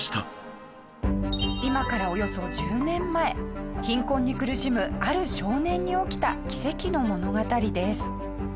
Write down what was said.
今からおよそ１０年前貧困に苦しむある少年に起きた奇跡の物語です。